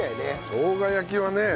しょうが焼きはね。